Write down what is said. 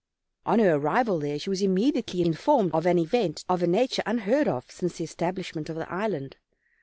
On her arrival there she was immediately informed of an event of a nature unheard of since the establishment of the island.